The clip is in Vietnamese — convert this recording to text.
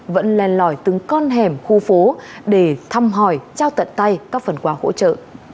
vẫn lên lòi từng con hẻm khu phố để thăm hỏi trao tận tay các phần quà hỗ trợ